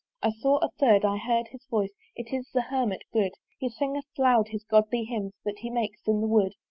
I saw a third I heard his voice: It is the Hermit good! He singeth loud his godly hymns That he makes in the wood.